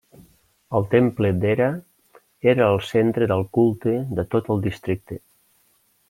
El temple d'Hera era el centre de culte de tot el districte.